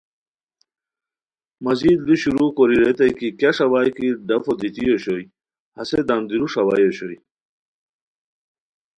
مزید لو شروع کوری ریتائے کی کیہ ݰاوائے کی ڈفو دیتی اوشوئے ہسے دم دیرو ݰاوائے اوشوئے